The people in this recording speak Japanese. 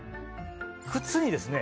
靴にですね